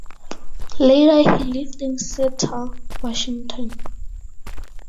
Later he lived in Seattle, Washington.